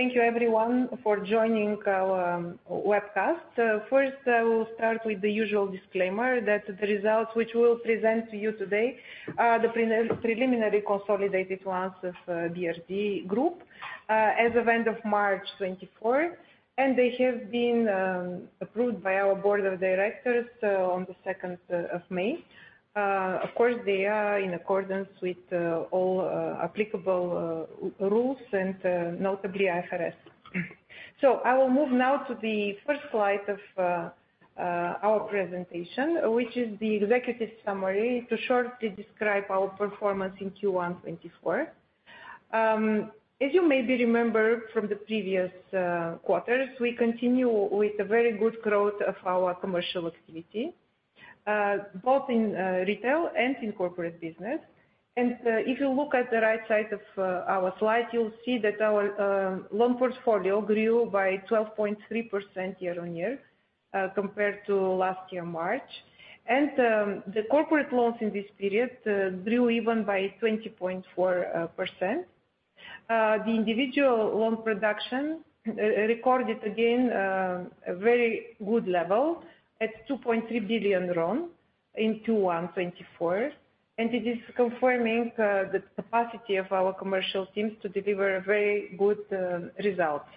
Thank you, everyone, for joining our webcast. First, I will start with the usual disclaimer that the results which we'll present to you today are the preliminary consolidated ones of BRD Group, as of end of March 2024, and they have been approved by our board of directors, on the 2nd of May. Of course, they are in accordance with all applicable rules and, notably, IFRS. So I will move now to the first slide of our presentation, which is the executive summary to shortly describe our performance in Q1 2024. As you maybe remember from the previous quarters, we continue with a very good growth of our commercial activity, both in retail and in corporate business. If you look at the right side of our slide, you'll see that our loan portfolio grew by 12.3% year-on-year, compared to last year, March. The corporate loans in this period grew even by 20.4%. The individual loan production recorded again a very good level at RON 2.3 billion in Q1 2024, and it is confirming the capacity of our commercial teams to deliver very good results.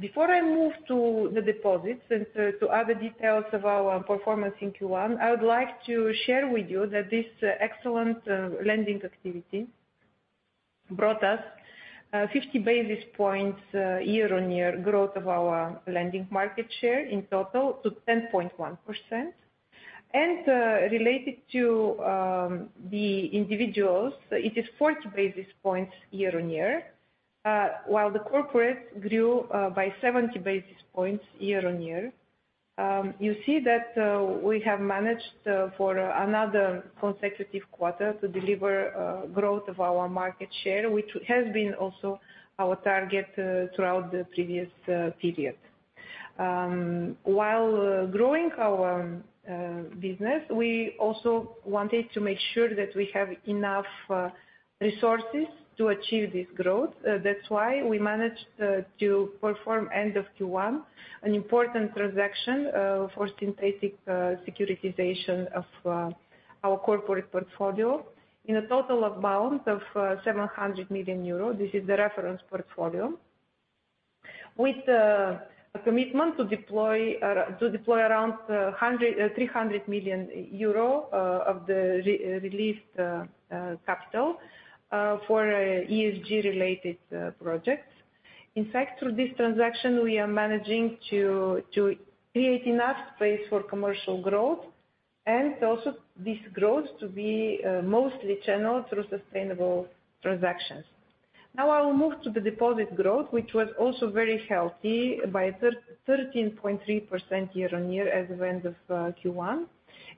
Before I move to the deposits and to other details of our performance in Q1 2024, I would like to share with you that this excellent lending activity brought us 50 basis points year-on-year growth of our lending market share in total to 10.1%. Related to the individuals, it is 40 basis points year-on-year, while the corporates grew by 70 basis points year-on-year. You see that we have managed for another consecutive quarter to deliver growth of our market share, which has been also our target throughout the previous period. While growing our business, we also wanted to make sure that we have enough resources to achieve this growth. That's why we managed to perform end of Q1 an important transaction for synthetic securitization of our corporate portfolio in a total amount of 700 million euros. This is the reference portfolio with a commitment to deploy, to deploy around 300 million euro of the re-released capital for ESG-related projects. In fact, through this transaction, we are managing to, to create enough space for commercial growth and also this growth to be mostly channeled through sustainable transactions. Now, I will move to the deposit growth, which was also very healthy by 13.3% year-over-year as of end of Q1.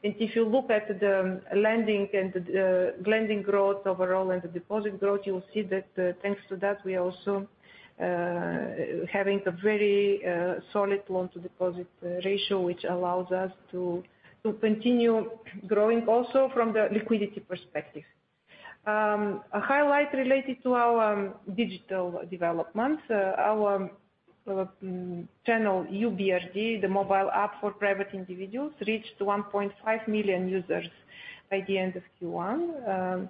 If you look at the lending and the lending growth overall and the deposit growth, you'll see that, thanks to that, we are also having a very solid loan-to-deposit ratio, which allows us to continue growing also from the liquidity perspective. A highlight related to our digital developments, our channel YOU BRD, the mobile app for private individuals, reached 1.5 million users by the end of Q1.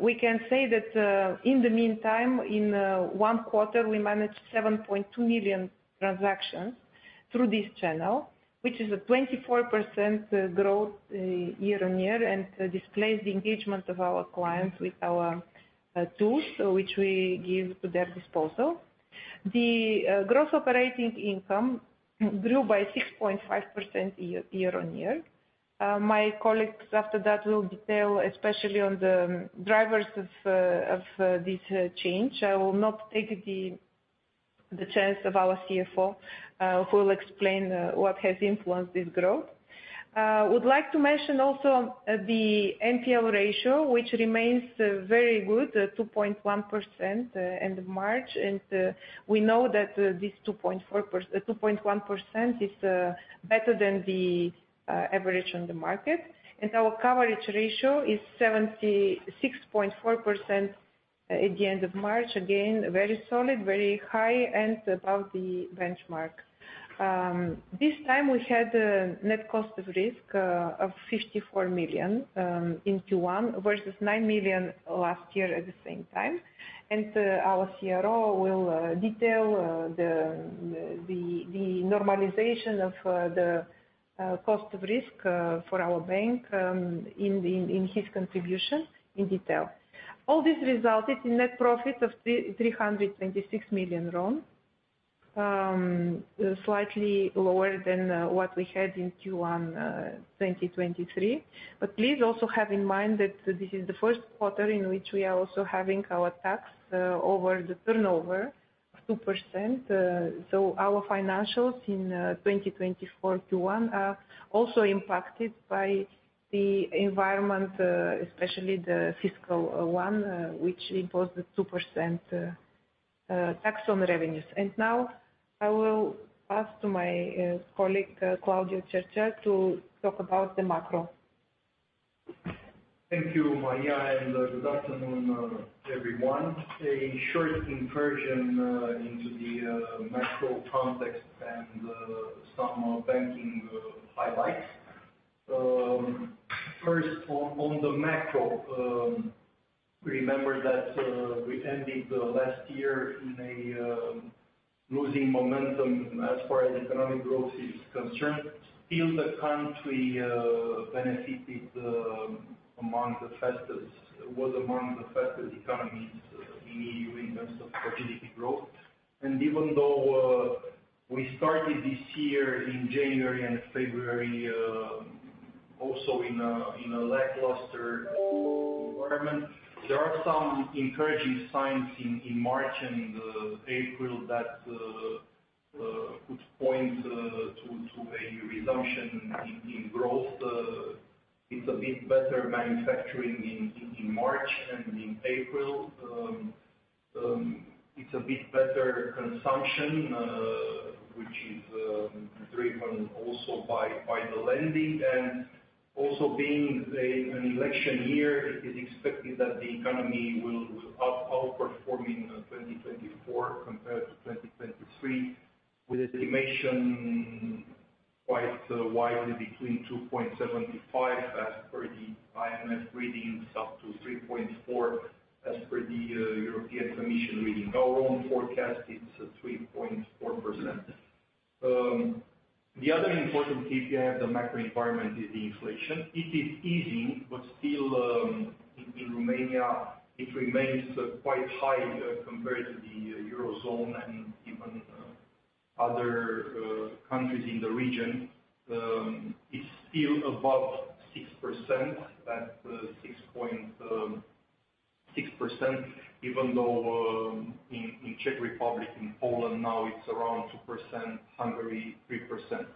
We can say that, in the meantime, in one quarter, we managed 7.2 million transactions through this channel, which is a 24% growth year-on-year and displays the engagement of our clients with our tools, which we give to their disposal. The gross operating income grew by 6.5% year-on-year. After that, my colleagues will detail especially on the drivers of this change. I will not take the chance of our CFO, who will explain what has influenced this growth. I would like to mention also the NPL ratio, which remains very good, 2.1% end of March. We know that this 2.1% is better than the 2.4% average on the market. Our coverage ratio is 76.4% at the end of March, again very solid, very high, and above the benchmark. This time we had a net cost of risk of RON 54 million in Q1 versus RON 9 million last year at the same time. Our CRO will detail the normalization of the cost of risk for our bank in his contribution in detail. All this resulted in net profit of RON 3,326 million, slightly lower than what we had in Q1 2023. But please also have in mind that this is the first quarter in which we are also having our tax over the turnover of 2%. So our financials in 2024 Q1 are also impacted by the environment, especially the fiscal one, which imposed the 2% tax on revenues. And now, I will pass to my colleague, Claudiu Cercel, to talk about the macro. Thank you, Maria, and good afternoon, everyone. A short incursion into the macro context and some banking highlights. First, on the macro, remember that we ended last year in a losing momentum as far as economic growth is concerned. Still, the country benefited, was among the fastest economies in EU in terms of GDP growth. And even though we started this year in January and February also in a lackluster environment, there are some encouraging signs in March and April that could point to a resumption in growth. It's a bit better manufacturing in March and in April. It's a bit better consumption, which is driven also by the lending. Also being an election year, it is expected that the economy will outperform in 2024 compared to 2023 with estimations quite widely between 2.75 as per the IMF readings, up to 3.4 as per the European Commission reading. Our own forecast, it's 3.4%. The other important KPI of the macro environment is the inflation. It is easing, but still in Romania, it remains quite high compared to the eurozone and even other countries in the region. It's still above 6.6%, even though in the Czech Republic, in Poland, now it's around 2%, Hungary 3%.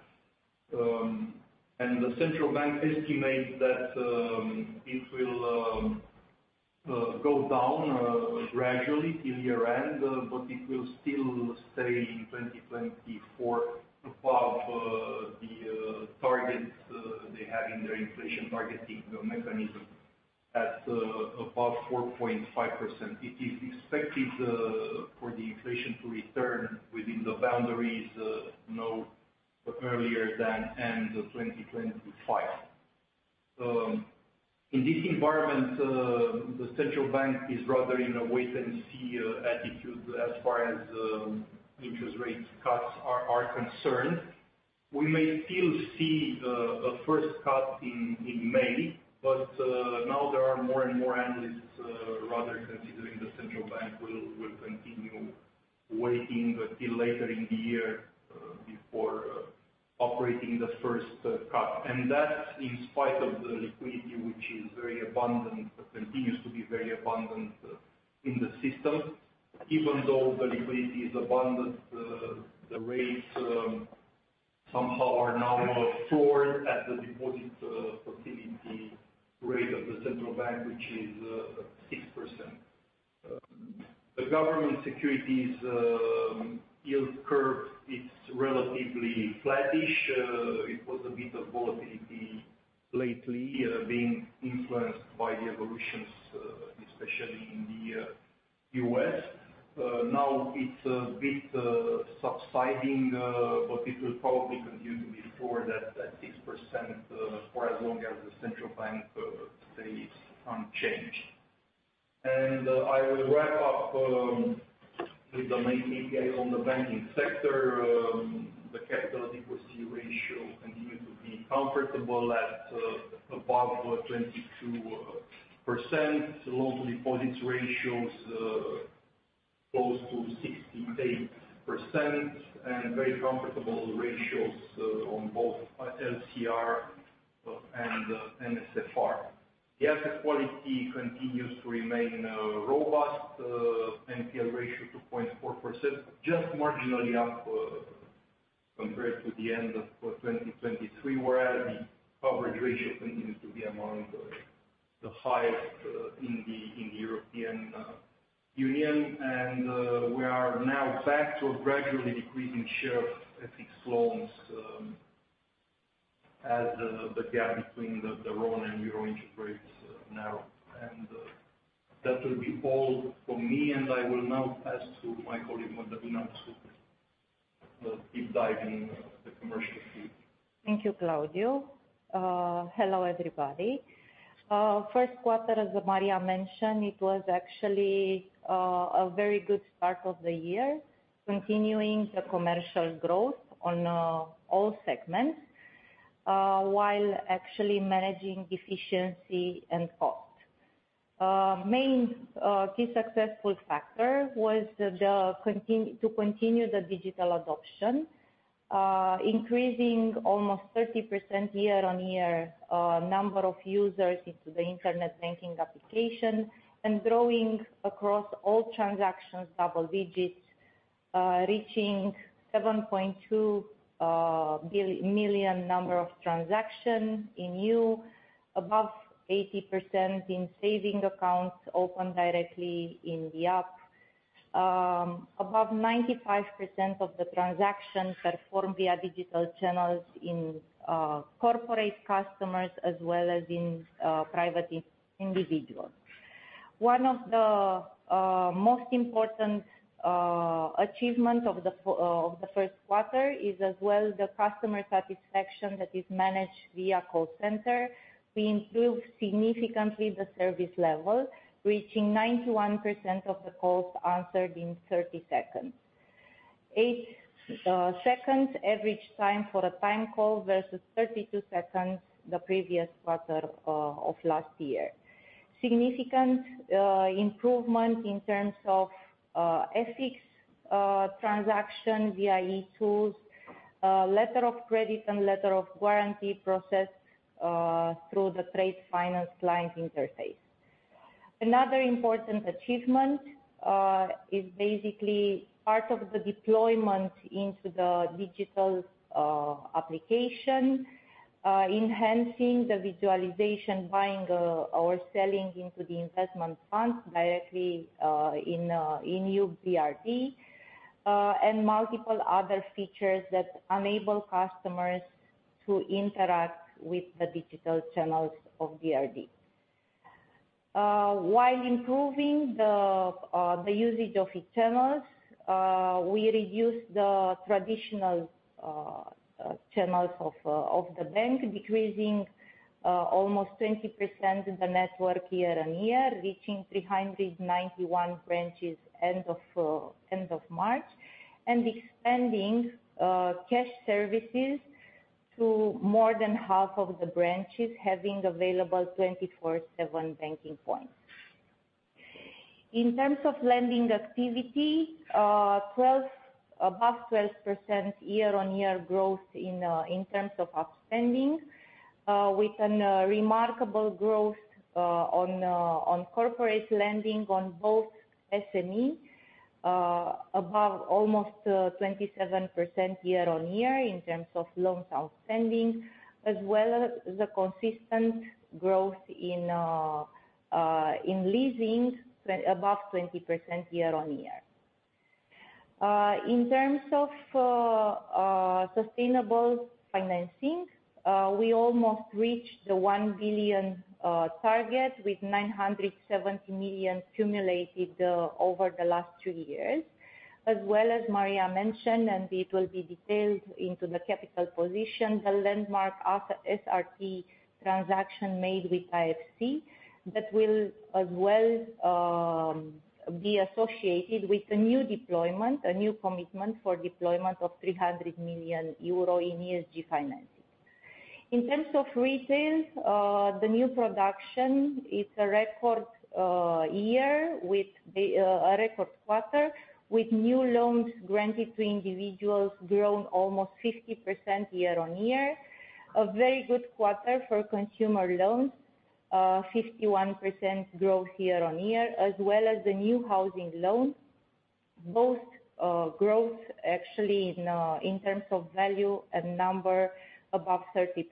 And the central bank estimates that it will go down gradually till year-end, but it will still stay in 2024 above the targets they have in their inflation targeting mechanism above 4.5%. It is expected for the inflation to return within the boundaries no earlier than end of 2025. In this environment, the central bank is rather in a wait-and-see attitude as far as interest rate cuts are concerned. We may still see a first cut in May, but now there are more and more analysts rather considering the central bank will continue waiting till later in the year before operating the first cut. And that's in spite of the liquidity, which is very abundant, continues to be very abundant in the system. Even though the liquidity is abundant, the rates somehow are now floored at the deposit facility rate of the central bank, which is 6%. The government securities yield curve, it's relatively flatish. It was a bit of volatility lately, being influenced by the evolutions, especially in the U.S. Now it's a bit subsiding, but it will probably continue to be floored at 6% for as long as the central bank stays unchanged. I will wrap up with the main KPIs on the banking sector. The capital equity ratio continues to be comfortable at above 22%. Loan-to-deposits ratios close to 68% and very comfortable ratios on both LCR and NSFR. The asset quality continues to remain robust. NPL ratio 2.4%, just marginally up compared to the end of 2023, whereas the coverage ratio continues to be among the highest in the European Union. We are now back to a gradually decreasing share of indexed loans, as the gap between the RON and euro interest rates narrows. That will be all from me, and I will now pass to my colleague Mădălina to deep dive in the commercial field. Thank you, Claudiu. Hello, everybody. First quarter, as Maria mentioned, it was actually a very good start of the year, continuing the commercial growth on all segments, while actually managing efficiency and cost. Main key success factor was to continue the digital adoption, increasing almost 30% year-on-year, number of users into the internet banking application and growing across all transactions double digits, reaching 7.2 billion number of transactions in YOU, above 80% in savings accounts opened directly in the app, above 95% of the transactions performed via digital channels in corporate customers as well as in private individuals. One of the most important achievement of the first quarter is as well the customer satisfaction that is managed via call center. We improved significantly the service level, reaching 91% of the calls answered in 30 seconds, eight seconds average time for a call versus 32 seconds the previous quarter of last year. Significant improvement in terms of FX transaction via eTools, letter of credit and letter of guarantee processed through the trade finance client interface. Another important achievement is basically part of the deployment into the digital application, enhancing the visualization, buying or selling into the investment funds directly in YOU BRD, and multiple other features that enable customers to interact with the digital channels of BRD. While improving the usage of e-channels, we reduced the traditional channels of the bank, decreasing almost 20% the network year-on-year, reaching 391 branches end of March, and expanding cash services to more than half of the branches, having available 24/7 banking points. In terms of lending activity, 12% above 12% year-on-year growth in terms of outstanding, with a remarkable growth on corporate lending on both SME above almost 27% year-on-year in terms of loans outstanding, as well as a consistent growth in leasing above 20% year-on-year. In terms of sustainable financing, we almost reached the RON 1 billion target with RON 970 million accumulated over the last two years, as well as Maria mentioned, and it will be detailed in the capital position, the landmark SRT transaction made with IFC that will as well be associated with a new deployment, a new commitment for deployment of 300 million euro in ESG financing. In terms of retail, the new production, it's a record year with a record quarter with new loans granted to individuals grown almost 50% year-on-year, a very good quarter for consumer loans, 51% growth year-on-year, as well as the new housing loan, both growth actually in terms of value and number above 30%.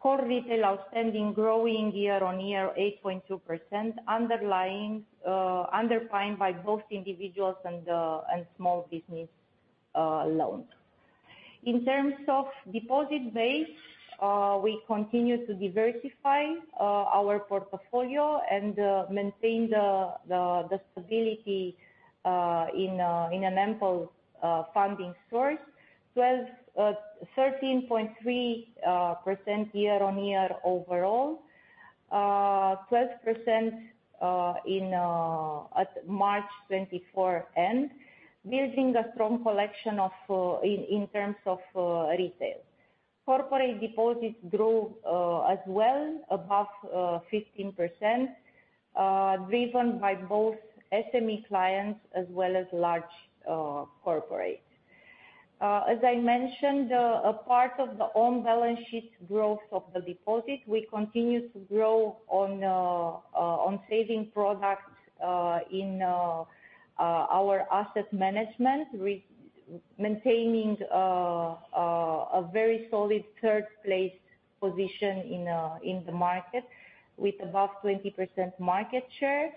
Core retail outstanding growing year-on-year 8.2%, underpinned by both individuals and small business loans. In terms of deposit base, we continue to diversify our portfolio and maintain the stability in an ample funding source, 12-13.3% year-on-year overall, 12% at March 2024 end, building a strong collection in terms of retail. Corporate deposits grew as well above 15%, driven by both SME clients as well as large corporates. As I mentioned, a part of the own balance sheet growth of the deposit, we continue to grow on saving products in our asset management, we're maintaining a very solid third place position in the market with above 20% market share,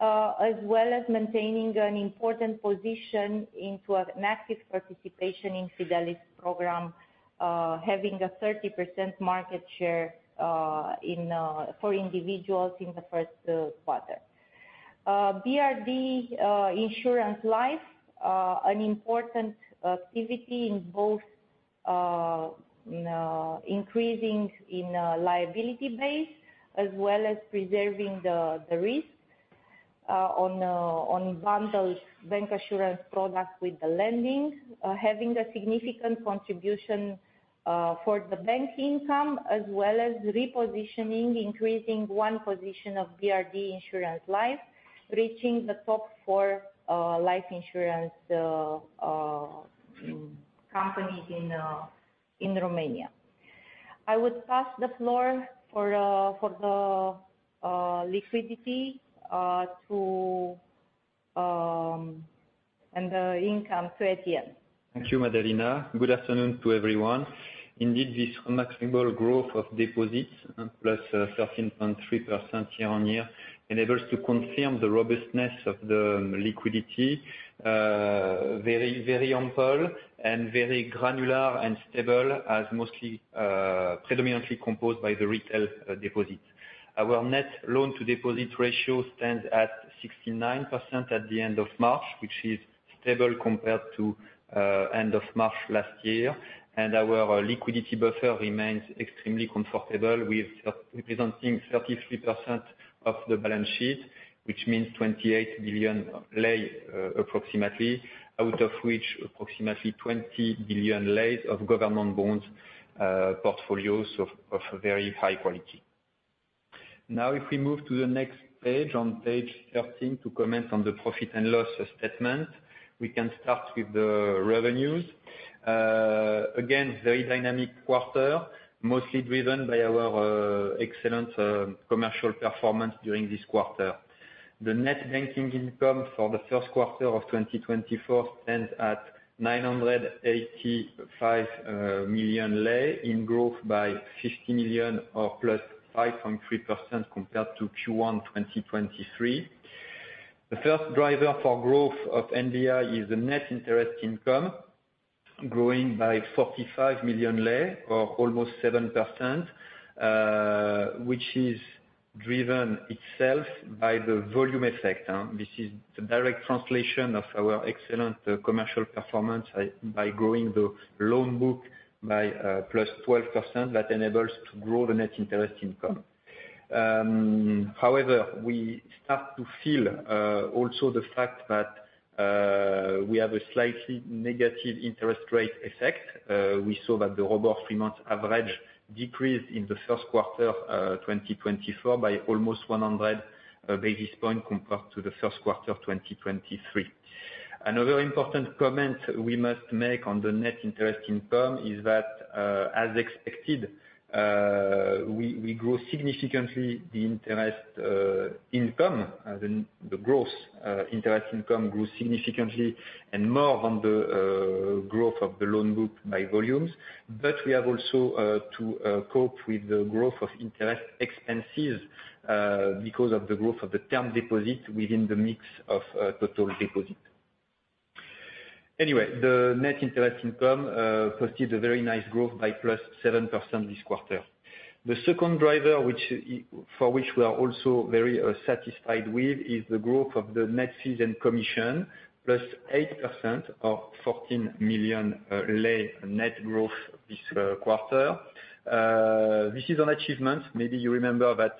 as well as maintaining an important position in the active participation in Fidelis program, having a 30% market share in for individuals in the first quarter. BRD Insurance Life, an important activity in both increasing the liability base as well as preserving the risk on bundled bank assurance products with the lending, having a significant contribution for the bank income as well as repositioning, increasing one position of BRD Insurance Life, reaching the top four life insurance companies in Romania. I would pass the floor for the liquidity and the income to Etienne. Thank you, Mădălina. Good afternoon to everyone. Indeed, this remarkable growth of deposits +13.3% year-on-year enables to confirm the robustness of the liquidity, very, very ample and very granular and stable as mostly, predominantly composed by the retail deposits. Our net loan-to-deposit ratio stands at 69% at the end of March, which is stable compared to end of March last year. And our liquidity buffer remains extremely comfortable with representing 33% of the balance sheet, which means approximately RON 28 billion, out of which approximately RON 20 billion of government bonds, portfolios of very high quality. Now, if we move to the next page, on page 13, to comment on the profit and loss statement, we can start with the revenues. Again, very dynamic quarter, mostly driven by our excellent commercial performance during this quarter. The net banking income for the first quarter of 2024 stands at RON 985 million in growth by RON 50 million or +5.3% compared to Q1 2023. The first driver for growth of NBI is the net interest income growing by RON 45 million or almost 7%, which is driven itself by the volume effect. This is the direct translation of our excellent commercial performance by growing the loan book by +12% that enables to grow the net interest income. However, we start to feel also the fact that we have a slightly negative interest rate effect. We saw that the ROBOR three-month average decreased in the first quarter 2024 by almost 100 basis points compared to the first quarter 2023. Another important comment we must make on the net interest income is that, as expected, we grew significantly the interest income. The interest income grew significantly and more than the growth of the loan book by volumes. But we have also to cope with the growth of interest expenses, because of the growth of the term deposit within the mix of total deposit. Anyway, the net interest income posted a very nice growth by +7% this quarter. The second driver, which we are also very satisfied with, is the growth of the net fees and commission, +8% or RON 14 million net growth this quarter. This is an achievement. Maybe you remember that,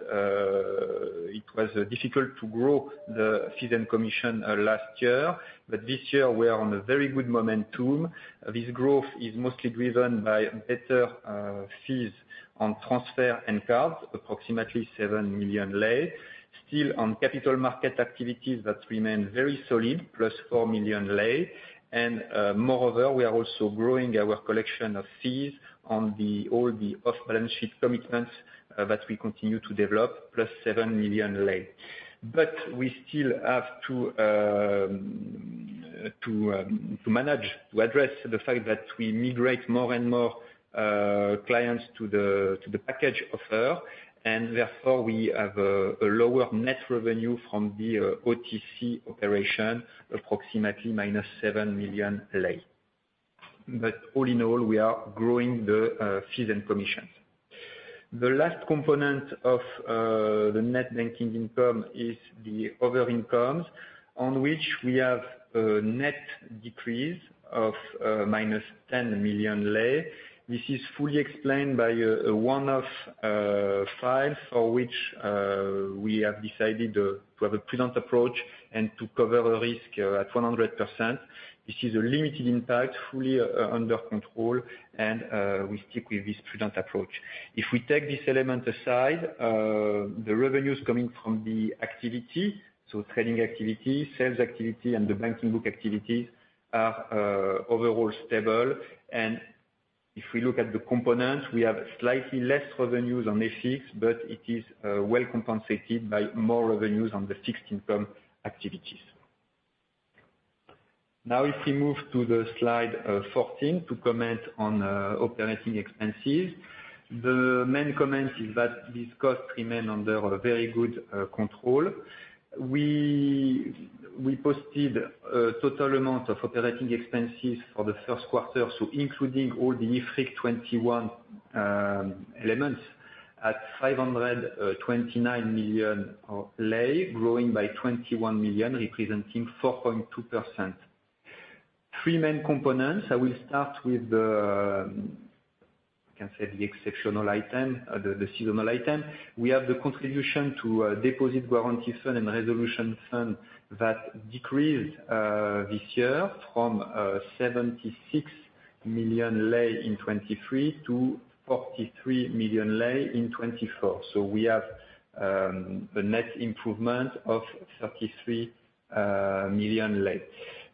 it was difficult to grow the fees and commission last year, but this year, we are on a very good momentum. This growth is mostly driven by better fees on transfer and cards, approximately RON 7 million, still on capital market activities that remain very solid, plus RON 4 million. Moreover, we are also growing our collection of fees on all the off-balance sheet commitments that we continue to develop, plus RON 7 million. But we still have to manage to address the fact that we migrate more and more clients to the package offer, and therefore, we have a lower net revenue from the OTC operation, approximately minus RON 7 million. But all in all, we are growing the fees and commissions. The last component of the net banking income is the other incomes on which we have a net decrease of minus RON 10 million. This is fully explained by a one-off file for which we have decided to have a prudent approach and to cover the risk at 100%. This is a limited impact, fully under control, and we stick with this prudent approach. If we take this element aside, the revenues coming from the activity, so trading activity, sales activity, and the banking book activities are overall stable. And if we look at the components, we have slightly less revenues on FX, but it is well compensated by more revenues on the fixed income activities. Now, if we move to slide 14 to comment on operating expenses, the main comment is that these costs remain under a very good control. We posted a total amount of operating expenses for the first quarter, so including all the IFRIC 21 elements, at RON 529 million, growing by RON 21 million, representing 4.2%. Three main components. I will start with the, I can say the exceptional item, the seasonal item. We have the contribution to Deposit Guarantee Fund and Resolution Fund that decreased this year from RON 76 million in 2023 to RON 43 million in 2024. So we have a net improvement of RON 33 million.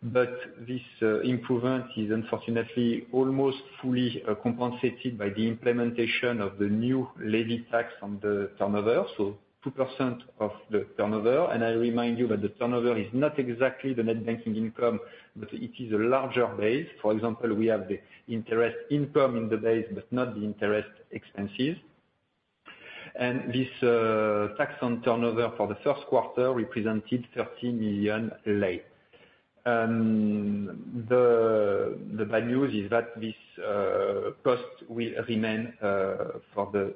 But this improvement is unfortunately almost fully compensated by the implementation of the new levy tax on the turnover, so 2% of the turnover. And I remind you that the turnover is not exactly the net banking income, but it is a larger base. For example, we have the interest income in the base but not the interest expenses. And this tax on turnover for the first quarter represented RON 13 million. The bad news is that this cost will remain approximately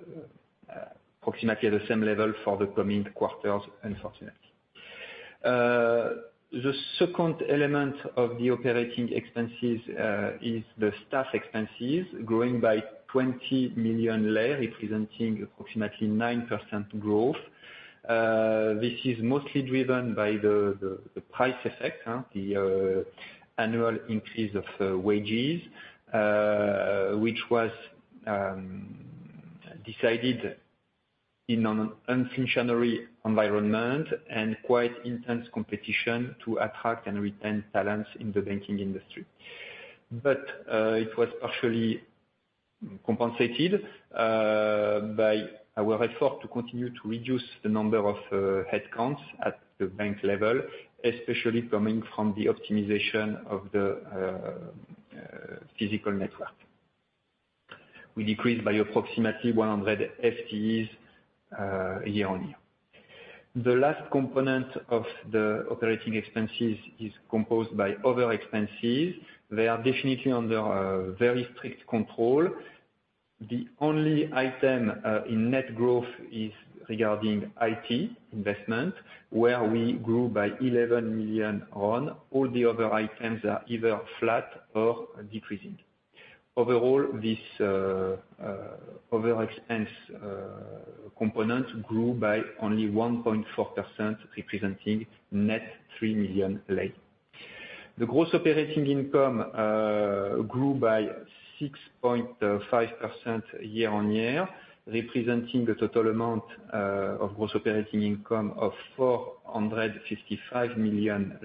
at the same level for the coming quarters, unfortunately. The second element of the operating expenses is the staff expenses, growing by RON 20 million, representing approximately 9% growth. This is mostly driven by the price effect, the annual increase of wages, which was decided in an unfavorable environment and quite intense competition to attract and retain talents in the banking industry. But it was partially compensated by our effort to continue to reduce the number of headcounts at the bank level, especially coming from the optimization of the physical network. We decreased by approximately 100 FTEs, year-on-year. The last component of the operating expenses is composed of other expenses. They are definitely under very strict control. The only item in net growth is regarding IT investment, where we grew by RON 11 million. All the other items are either flat or decreasing. Overall, this other expense component grew by only 1.4%, representing RON 3 million. The gross operating income grew by 6.5% year-on-year, representing a total amount of gross operating income of RON 455 million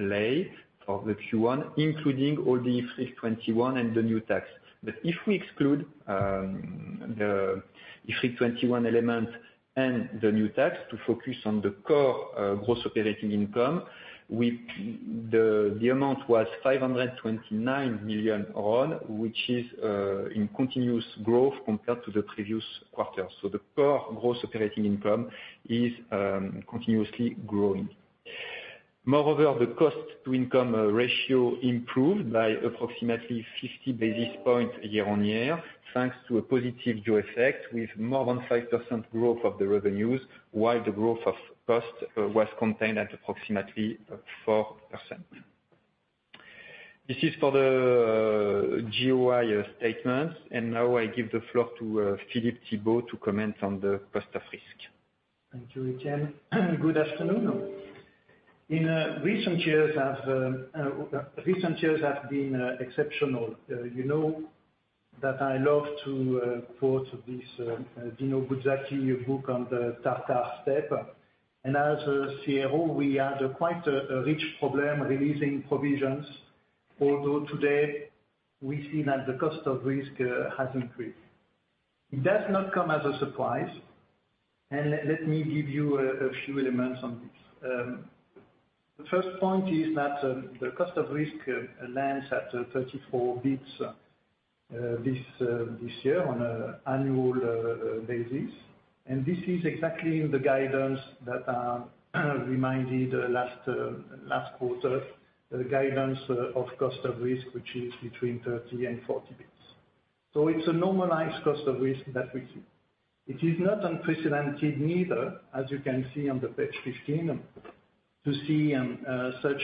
for the Q1, including all the IFRIC 21 and the new tax. But if we exclude the IFRIC 21 element and the new tax to focus on the core gross operating income, the amount was RON 529 million, which is in continuous growth compared to the previous quarter. So the core gross operating income is continuously growing. Moreover, the cost-to-income ratio improved by approximately 50 basis points year-on-year thanks to a positive jaws effect with more than 5% growth of the revenues while the growth of cost was contained at approximately 4%. This is for the GOI statements. Now I give the floor to Philippe Thibaud to comment on the cost of risk. Thank you, Etienne. Good afternoon. In recent years have been exceptional. You know that I love to quote this Dino Buzzati book on The Tartar Steppe. And as a CRO, we had quite a rich problem releasing provisions, although today, we see that the cost of risk has increased. It does not come as a surprise. And let me give you a few elements on this. The first point is that the cost of risk lands at 34 basis points this year on an annual basis. And this is exactly in the guidance that I reminded last quarter, the guidance of cost of risk, which is between 30 and 40 basis points. So it's a normalized cost of risk that we see. It is not unprecedented neither, as you can see on page 15, such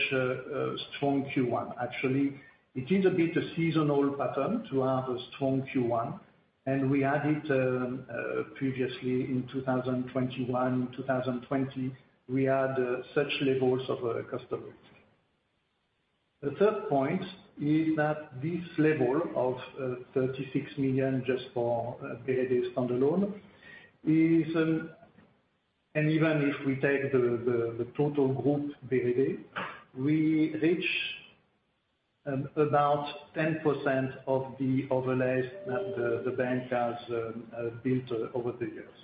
strong Q1. Actually, it is a bit a seasonal pattern to have a strong Q1. We had it previously in 2021. In 2020, we had such levels of cost of risk. The third point is that this level of RON 36 million just for BRD standalone is, and even if we take the total group BRD, we reach about 10% of the overlays that the bank has built over the years.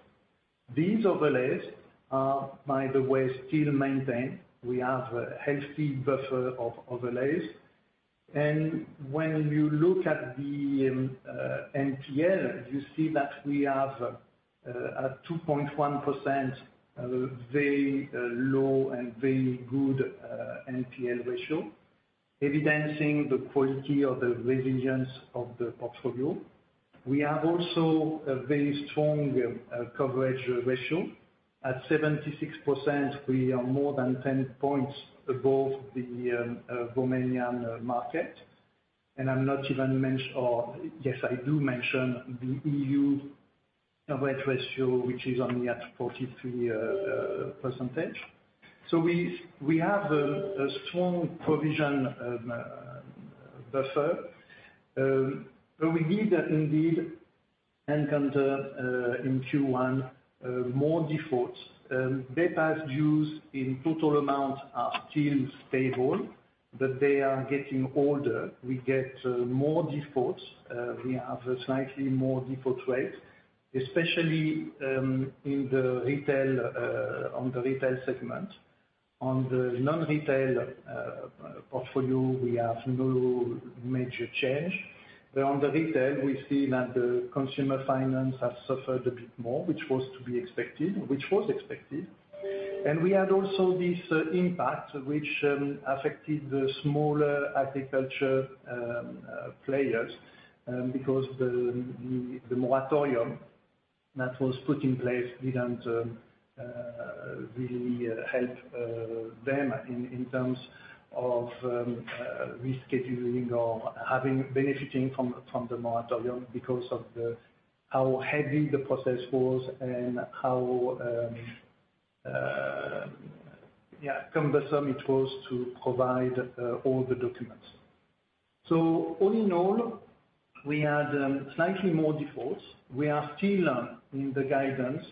These overlays are, by the way, still maintained. We have a healthy buffer of overlays. When you look at the NPL, you see that we have at 2.1% very low and very good NPL ratio, evidencing the quality of the resilience of the portfolio. We have also a very strong coverage ratio. At 76%, we are more than 10 points above the Romanian market. I'm not even mention or yes, I do mention the EU coverage ratio, which is only at 43%. So we have a strong provision buffer. But we did, indeed, encounter, in Q1, more defaults. Past dues in total amount are still stable, but they are getting older. We get more defaults. We have a slightly more default rate, especially, in the retail, on the retail segment. On the non-retail portfolio, we have no major change. But on the retail, we see that the consumer finance has suffered a bit more, which was to be expected, which was expected. And we had also this impact, which affected the smaller agriculture players, because the moratorium that was put in place didn't really help them in terms of rescheduling or having benefiting from the moratorium because of how heavy the process was and how, yeah, cumbersome it was to provide all the documents. So all in all, we had slightly more defaults. We are still in the guidance.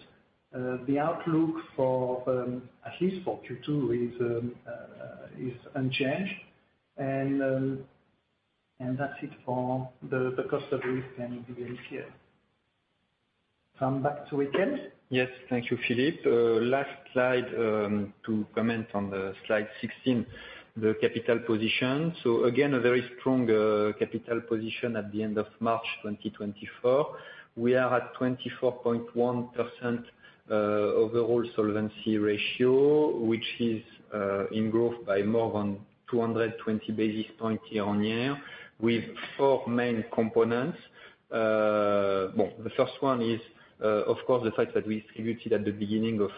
The outlook for at least for Q2 is unchanged. And that's it for the cost of risk and the NPL. Come back to Etienne. Yes. Thank you, Philippe. Last slide, to comment on slide 16, the capital position. So again, a very strong capital position at the end of March 2024. We are at 24.1% overall solvency ratio, which is in growth by more than 220 basis points year on year with four main components. Well, the first one is, of course, the fact that we distributed at the beginning of,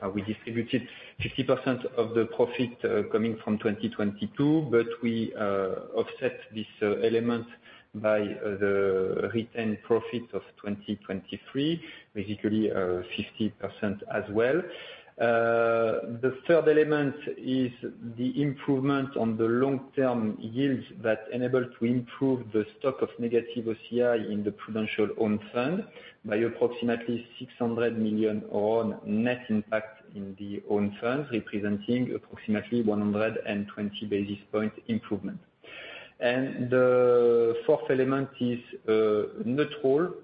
that we distributed 50% of the profit coming from 2022, but we offset this element by the retained profit of 2023, basically 50% as well. The third element is the improvement on the long-term yields that enabled to improve the stock of negative OCI in the prudential own funds by approximately RON 600 million net impact in the own funds, representing approximately 120 basis points improvement. And the fourth element is neutral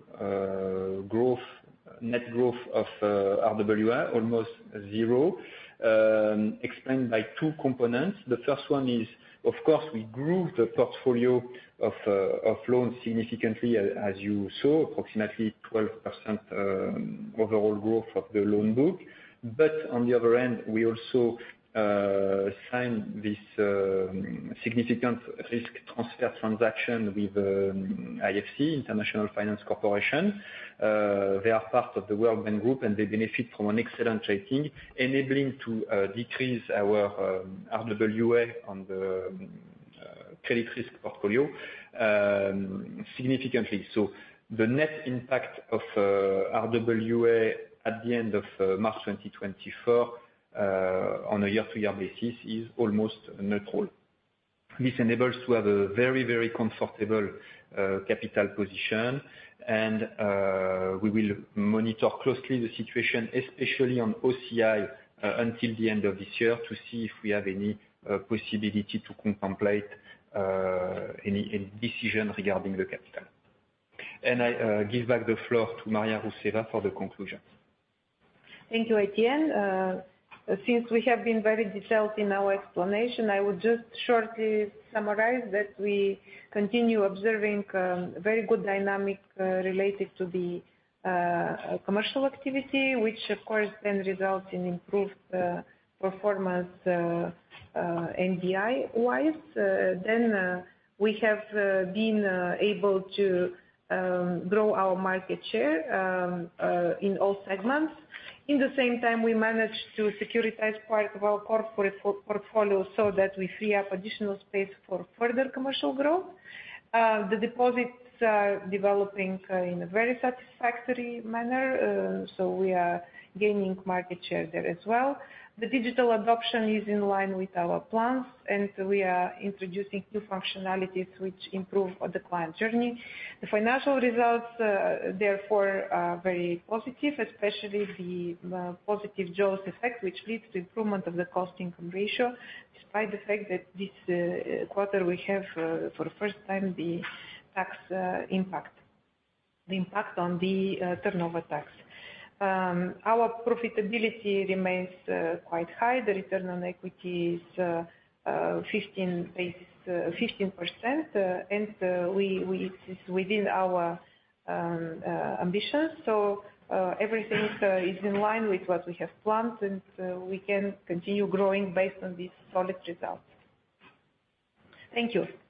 net growth of RWA almost zero, explained by two components. The first one is, of course, we grew the portfolio of loans significantly, as you saw, approximately 12% overall growth of the loan book. But on the other end, we also signed this significant risk transfer transaction with IFC, International Finance Corporation. They are part of the World Bank Group, and they benefit from an excellent rating, enabling to decrease our RWA on the credit risk portfolio significantly. So the net impact of RWA at the end of March 2024, on a year-to-year basis is almost neutral. This enables to have a very, very comfortable capital position. And we will monitor closely the situation, especially on OCI, until the end of this year to see if we have any possibility to contemplate any decision regarding the capital. I give back the floor to Maria Rousseva for the conclusion. Thank you, Etienne. Since we have been very detailed in our explanation, I would just shortly summarize that we continue observing very good dynamic related to the commercial activity, which, of course, then results in improved performance, NBI-wise. Then, we have been able to grow our market share in all segments. In the same time, we managed to securitize part of our corporate loan portfolio so that we free up additional space for further commercial growth. The deposits are developing in a very satisfactory manner. So we are gaining market share there as well. The digital adoption is in line with our plans, and we are introducing new functionalities which improve the client journey. The financial results, therefore, are very positive, especially the positive jaws effect, which leads to improvement of the cost-income ratio despite the fact that this quarter we have, for the first time, the tax impact, the impact on the turnover tax. Our profitability remains quite high. The return on equity is 15 basis, 15%. And it is within our ambitions. So everything is in line with what we have planned, and we can continue growing based on these solid results. Thank you.